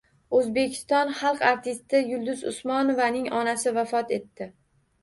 O‘zbekiston xalq artisti Yulduz Usmonovaning onasi vafot etdi